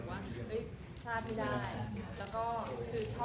ตั้งแต่ใส่สมัยเป็นวีเจ